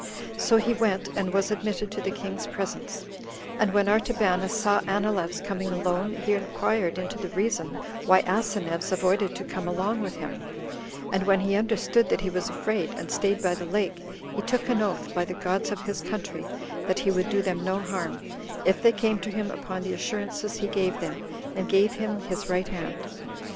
So he went, and was admitted to the king's presence; and when Artabanus saw Anileus coming alone, he inquired into the reason why Asineus avoided to come along with him; and when he understood that he was afraid, and staid by the lake, he took an oath, by the gods of his country, that he would do them no harm, if they came to him upon the assurances he gave them, and gave him his right hand.